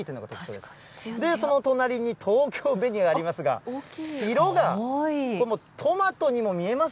で、その隣に東京紅がありますが、色が、これもうトマトにも見えます？